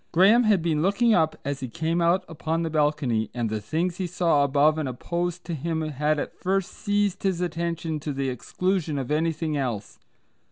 Graham had been looking up as he came out upon the balcony, and the things he saw above and opposed to him had at first seized his attention to the exclusion of anything else.